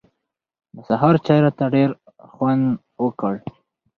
د سهار چای راته ډېر خوند وکړ.